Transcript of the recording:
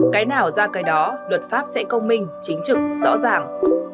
cái nào ra cái đó luật pháp sẽ công minh chính trực rõ ràng